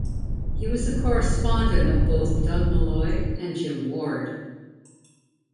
He was a correspondent of both Doug Malloy and Jim Ward.